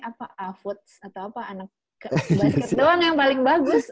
apa afuds atau apa anak basket doang yang paling bagus